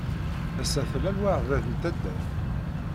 Ass-a tella lweɛda di taddart.